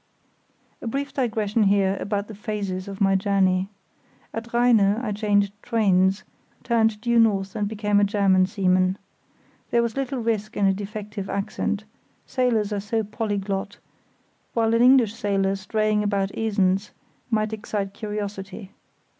A brief digression here about the phases of my journey. At Rheine I changed trains, turned due north and became a German seaman. There was little risk in a defective accent—sailors are so polyglot; while an English sailor straying about Esens might excite curiosity.